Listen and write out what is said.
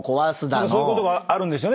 そういうことがあるんですよね。